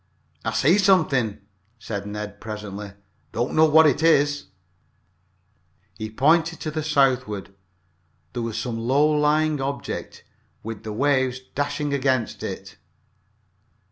"I see something," said Ned, presently. "Don't know what it is." He pointed to the southward. There was some low lying object, with the waves dashing against it.